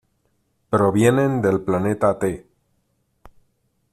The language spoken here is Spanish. Provienen del planeta Te.